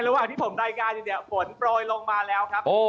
ระหว่างที่ผมรายงานอยู่เนี่ยฝนโปรยลงมาแล้วครับ